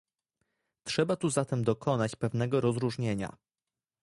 Trzeba tu zatem dokonać pewnego rozróżnienia